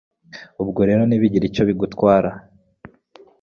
ubwo rero ntibigire icyo bigutwara